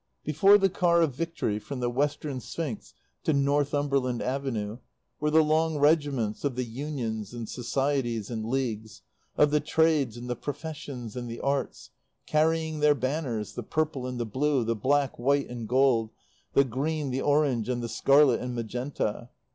Before the Car of Victory, from the western Sphinx to Northumberland Avenue, were the long regiments of the Unions and Societies and Leagues, of the trades and the professions and the arts, carrying their banners, the purple and the blue, the black, white and gold, the green, the orange and the scarlet and magenta.